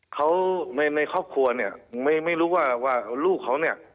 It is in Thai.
เขาในครอบครัวเนี่ยไม่รู้ว่าว่าลูกเขาเนี่ย